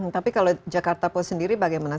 tapi kalau jakarta post sendiri bagaimana